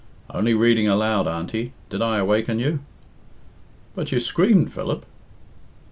"Only reading aloud, Auntie. Did I awaken you?" "But you screamed, Philip."